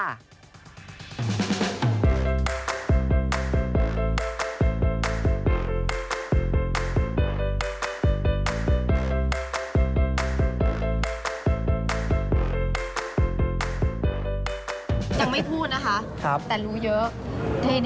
ยังไม่พูดนะคะแต่รู้เยอะ